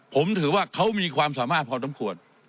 ผมถือว่าเขามีความสามารถพอต้องควร